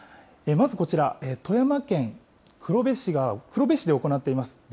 まずこちら、富山県黒部市で行っています